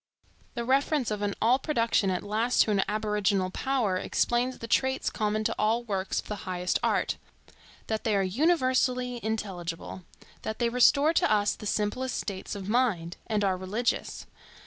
The reference of all production at last to an aboriginal Power explains the traits common to all works of the highest art,—that they are universally intelligible; that they restore to us the simplest states of mind, and are religious.